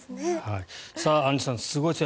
アンジュさん、すごいです。